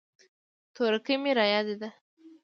تورکى مې رايادېده.